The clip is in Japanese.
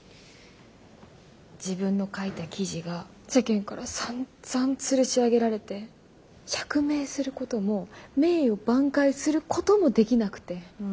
自分の書いた記事が世間からさんざんつるし上げられて釈明することも名誉挽回することもできなくて。